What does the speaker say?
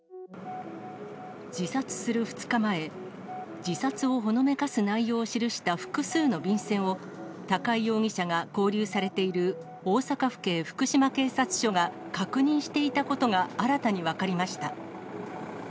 自殺する２日前、自殺をほのめかす内容を記した複数の便箋を、高井容疑者が勾留されている、大阪府警福島警察署が確認していたことが新たに分かりました。